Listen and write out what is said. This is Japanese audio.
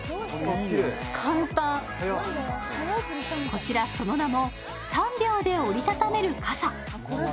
こちら、その名、３秒で折り畳める傘。